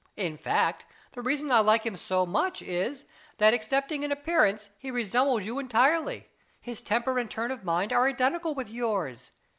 In fact, the reason I like him so much is that, excepting in appearance, he resembles you entirely; his temper and turn of mind are identical with yours.